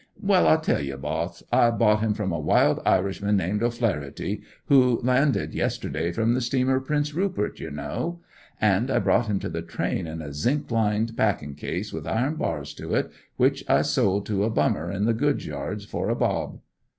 "Well, I'll tell ye, boss; I bought him from a wild Irishman named O'Flaherty, who landed yesterday from the steamer, Prince Rupert, yer know; and I brought him to the train in a zinc lined packin' case with iron bars to it, which I sold to a bummer in the goods yard for a bob."